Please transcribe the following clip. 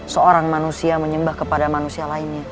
seorang manusia menyembah kepada manusia lainnya